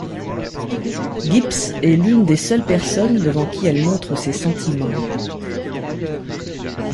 Gibbs est l'une des seules personnes devant qui elle montre ses sentiments.